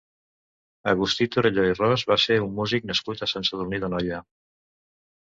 Agustí Torelló i Ros va ser un músic nascut a Sant Sadurní d'Anoia.